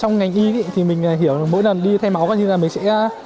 trong ngành y thì mình hiểu mỗi lần đi thay máu và như là mình sẽ